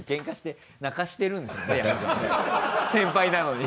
先輩なのに。